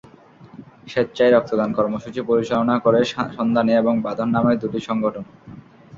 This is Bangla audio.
স্বেচ্ছায় রক্তদান কর্মসূচি পরিচালনা করে সন্ধানী এবং বাঁধন নামের দুটি সংগঠন।